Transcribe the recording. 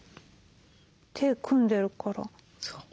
手組んでるから。